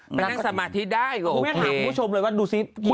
ไปนั่งสมาธิได้คุณแม่ถามคุณผู้ชมเลยว่าดูสิ